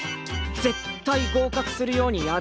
絶対合格するようにやるんだぞ。